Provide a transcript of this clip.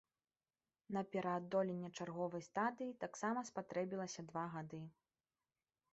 На пераадоленне чарговай стадыі таксама спатрэбілася два гады.